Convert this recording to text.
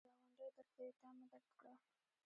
که ګاونډی درد کوي، تا مه درد کړه